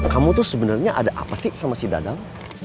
kamu tuh sebenarnya ada apa sih sama si dadang